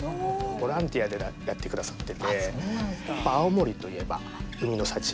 ボランティアでやってくださっててやっぱ青森といえば海の幸。